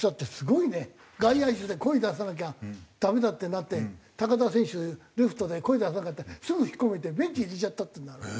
外野手で声出さなきゃダメだってなって高田選手レフトで声出さなかったらすぐ引っ込めてベンチに入れちゃったっていうんだから。